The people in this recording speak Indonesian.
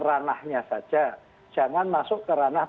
ranahnya saja jangan masuk ke ranah